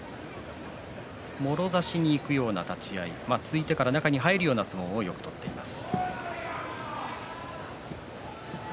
もろ差しにいくような立ち合い突いてから中に入るような相撲も多く取っています。